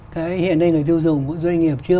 cái hiện nay người tiêu dùng mỗi doanh nghiệp chưa